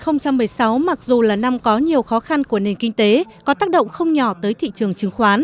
năm hai nghìn một mươi sáu mặc dù là năm có nhiều khó khăn của nền kinh tế có tác động không nhỏ tới nền kinh tế